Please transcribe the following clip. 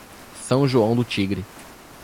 São João do Tigre